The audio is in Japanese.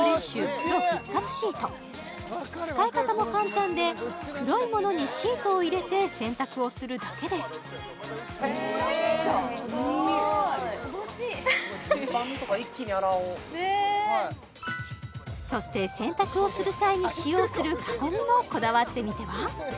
黒復活シート使い方も簡単で黒い物にシートを入れて洗濯をするだけです欲しいそして洗濯をする際に使用するかごにもこだわってみては？